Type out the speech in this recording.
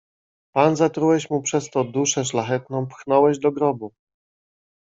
"Pan zatrułeś mu przez to duszę szlachetną, pchnąłeś do grobu!"